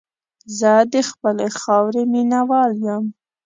زه د خپلې خاورې مینه وال یم.